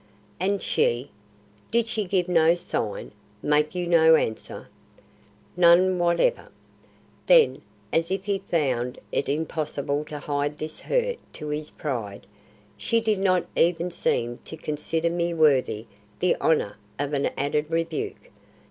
"And she? Did she give no sign, make you no answer?" "None whatever." Then, as if he found it impossible to hide this hurt to his pride, "She did not even seem to consider me worthy the honour of an added rebuke.